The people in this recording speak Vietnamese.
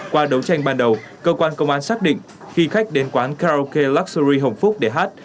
qua đấu tranh ban đầu cơ quan công an xác định khi khách đến quán karaoke luxury hồng phúc để hát